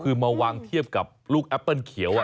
คือมาวางเทียบกับลูกแอปเปิ้ลเขียว